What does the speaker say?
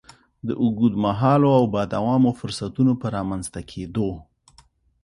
د اوږد مهالو او با دوامه فرصتونو په رامنځ ته کېدو.